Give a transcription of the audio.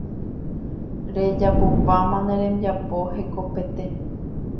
rejapopáma ne rembiapo hekopete